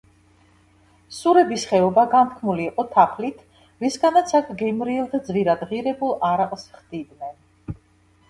სურების ხეობა განთქმული იყო თაფლით, რისგანაც აქ გემრიელ და ძვირადღირებულ არაყს ხდიდნენ.